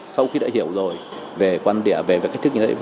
sau khi đã hiểu rồi về quan điểm về cái thức như đấy